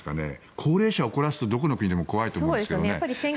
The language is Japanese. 高齢者を怒らすとどこの国でも怖いと思うんですが。